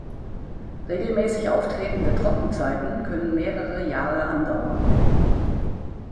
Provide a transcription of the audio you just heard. Regelmäßig auftretende Trockenzeiten können mehrere Jahre andauern.